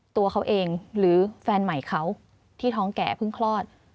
ตัวเขาเองหรือแฟนใหม่เขาที่ท้องแก่เพิ่งคลอด